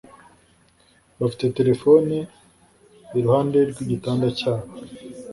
Bafite terefone iruhande rw'igitanda cyabo.